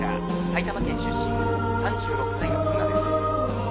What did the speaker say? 埼玉県出身３６歳の女です。